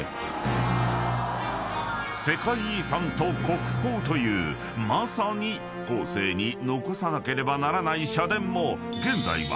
［世界遺産と国宝というまさに後世に残さなければならない社殿も］